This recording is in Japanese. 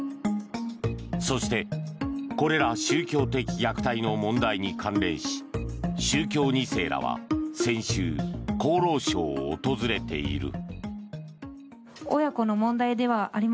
そして、これら宗教的虐待の問題に関連し宗教２世らは先週厚労省を訪れている。